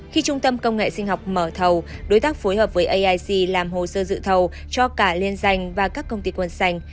khi trung tâm công nghệ sinh học mở thầu đối tác phối hợp với aic làm hồ sơ dự thầu cho cả liên danh và các công ty quân xanh